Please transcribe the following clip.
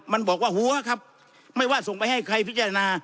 มันบอกว่าหัวครับไม่ว่าส่งไปให้ใครพิจารณา